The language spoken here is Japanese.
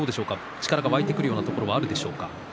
力が湧いてくるようなところはあるでしょうか。